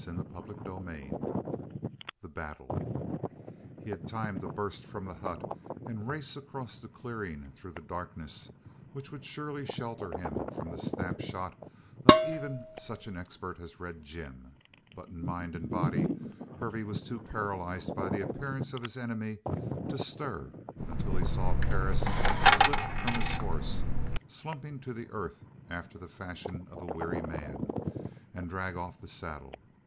CHAPTER XXI THE BATTLE He had time to burst from the hut and race across the clearing through the darkness which would surely shelter him from the snap shot of even such an expert as Red Jim, but in mind and body Hervey was too paralyzed by the appearance of his enemy to stir until he saw Perris slip from his horse, slumping to the earth after the fashion of a weary man, and drag off the saddle.